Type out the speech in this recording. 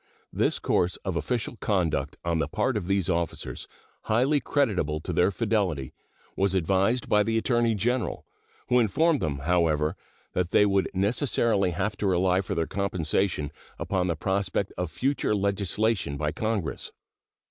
This course of official conduct on the part of these officers, highly creditable to their fidelity, was advised by the Attorney General, who informed them, however, that they would necessarily have to rely for their compensation upon the prospect of future legislation by Congress.